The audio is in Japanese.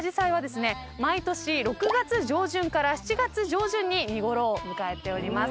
毎年６月上旬から７月上旬に見頃を迎えております。